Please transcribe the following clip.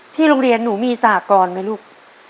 ที่โรงเรียนหนูมีสหกรณ์ไหมลูก